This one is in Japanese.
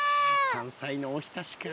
山菜のおひたしか。